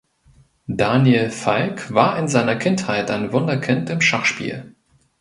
Daniel Falk war in seiner Kindheit ein Wunderkind im Schachspiel.